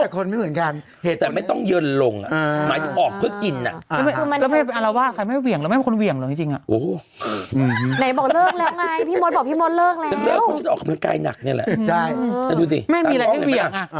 คือเรารู้สึกว่ามันก็ต้องดูแลตัวเอง